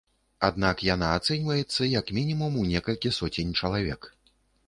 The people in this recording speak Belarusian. Аднак яна ацэньваецца як мінімум у некалькі соцень чалавек.